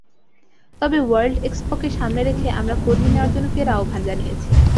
তবে ওয়ার্ল্ড এক্সপোকে সামনে রেখে আমরা কর্মী নেওয়ার জন্য ফের আহ্বান জানিয়েছি।